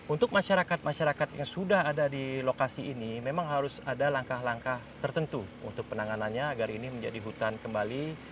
untuk masyarakat masyarakat yang sudah ada di lokasi ini memang harus ada langkah langkah tertentu untuk penanganannya agar ini menjadi hutan kembali